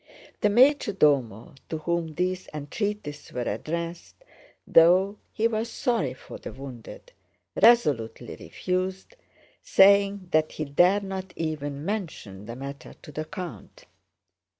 The major domo to whom these entreaties were addressed, though he was sorry for the wounded, resolutely refused, saying that he dare not even mention the matter to the count.